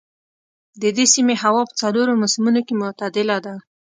د دې سيمې هوا په څلورو موسمونو کې معتدله ده.